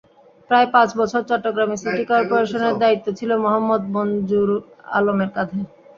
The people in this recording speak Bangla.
প্রায় পাঁচ বছর চট্টগ্রাম সিটি করপোরেশনের দায়িত্ব ছিল মোহাম্মদ মনজুর আলমের কাঁধে।